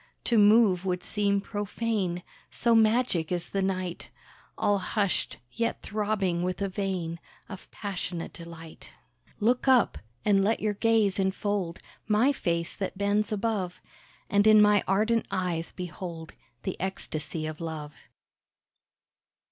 to move would seem profane, So magic is the night, All hushed, yet throbbing with a vein Of passionate delight. Look up! and let your gaze enfold My face that bends above, And in my ardent eyes behold The ecstasy of love.